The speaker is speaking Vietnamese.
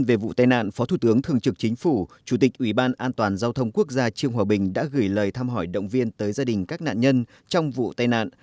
về vụ tai nạn phó thủ tướng thường trực chính phủ chủ tịch ủy ban an toàn giao thông quốc gia trương hòa bình đã gửi lời thăm hỏi động viên tới gia đình các nạn nhân trong vụ tai nạn